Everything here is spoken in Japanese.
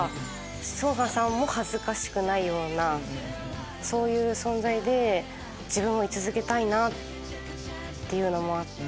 成河さんも恥ずかしくないようなそういう存在で自分も居続けたいなっていうのもあって。